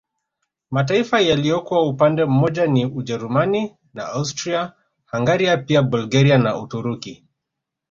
Mataifa yaliyokuwa upande mmoja ni Ujerumani na Austria Hungaria pia Bulgaria na Uturuki